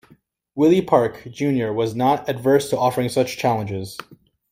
Willie Park, Junior was not adverse to offering such challenges.